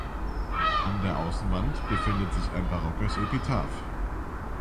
An der Außenwand befindet sich ein barockes Epitaph.